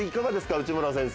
内村先生